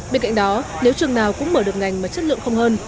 bên cạnh đó nếu trường nào cũng mở được ngành mà chất lượng không hơn